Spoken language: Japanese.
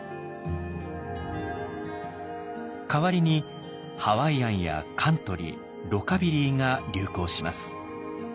代わりにハワイアンやカントリーロカビリーが流行します。